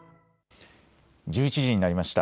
１１時になりました。